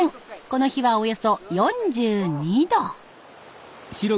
この日はおよそ４２度。